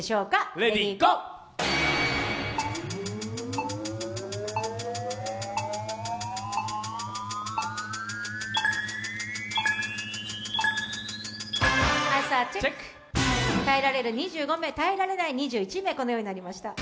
アンサーチェック、耐えられる２５名、耐えられない２１名、このようになりました。